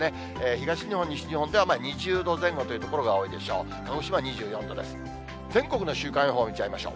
東日本、西日本では２０度前後という所が多いでしょう。